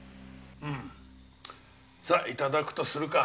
うんさあいただくとするか。